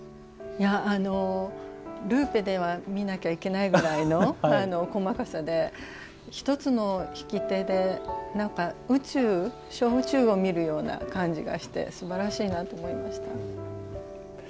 いやあのルーペで見なきゃいけないぐらいの細かさで１つの引き手で小宇宙を見るような感じがしてすばらしいなと思いました。